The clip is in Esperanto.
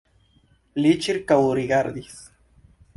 Li ĉirkaŭrigardis.